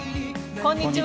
こんにちは。